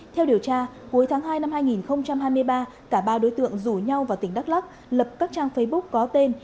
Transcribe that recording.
theo điều tra cuối tháng hai năm hai nghìn hai mươi ba cả ba đối tượng rủ nhau vào tỉnh đắk lắc lập các trang facebook có tên